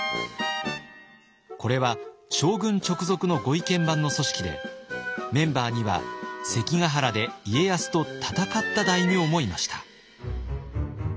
これは将軍直属のご意見番の組織でメンバーには関ヶ原で家康と戦った大名もいました。